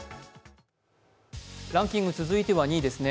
ランキング、続いては２位ですね。